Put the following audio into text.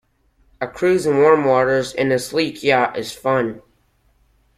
A cruise in warm waters in a sleek yacht is fun.